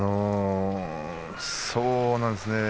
そうなんですね。